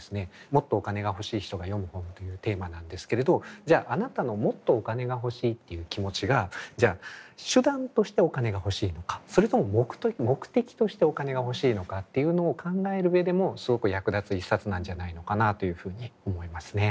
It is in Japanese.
もっとお金が欲しい人が読む本というテーマなんですけれどじゃああなたのもっとお金が欲しいっていう気持ちがじゃあ手段としてお金が欲しいのかそれとも目的としてお金が欲しいのかっていうのを考える上でもすごく役立つ一冊なんじゃないのかなというふうに思いますね。